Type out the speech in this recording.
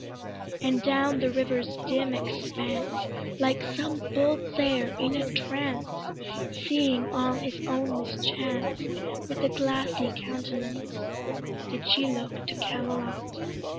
And down the river's dim expanse Like some bold seër in a trance, Seeing all his own mischance With a glassy countenance Did she look to Camelot.